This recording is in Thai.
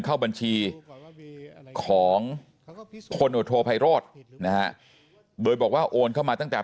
เข้าบัญชีของพลโอโทไพโรธนะฮะโดยบอกว่าโอนเข้ามาตั้งแต่